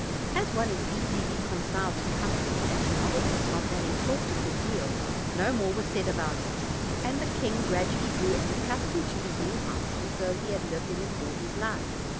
As one is easily reconciled to comfort and to novelties, after having talked a good deal no more was said about it; and the king gradually grew as accustomed to his new house as though he had lived in it all his life.